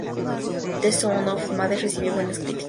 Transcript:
The Sound Of Madness recibió buenas críticas.